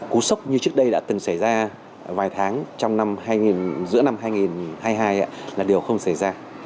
cú sốc như trước đây đã từng xảy ra vài tháng trong năm hai nghìn giữa năm hai nghìn hai mươi hai là điều không xảy ra